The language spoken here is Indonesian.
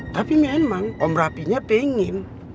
tapi memang om rapinya pengen